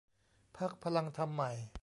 พรรคพลังธรรมใหม่